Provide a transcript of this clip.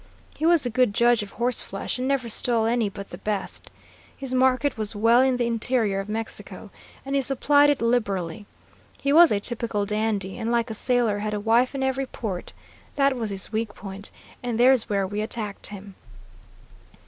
He was a good judge of horse flesh, and never stole any but the best. His market was well in the interior of Mexico, and he supplied it liberally. He was a typical dandy, and like a sailor had a wife in every port. That was his weak point, and there's where we attacked him.